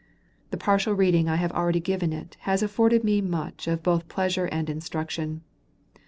The partial reading I have already given it has afforded me much of both pleasure and instruction.